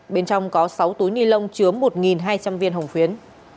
bên trong có sáu túi ni lông chứa một hai trăm linh viên hồng phiến